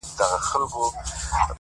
هره تجربه د درک نوی رنګ لري’